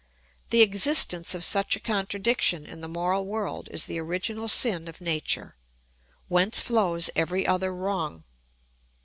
The existence of such a contradiction in the moral world is the original sin of nature, whence flows every other wrong.